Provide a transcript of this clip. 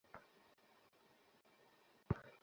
হ্যাঁ, সে একজন অভিনেতা।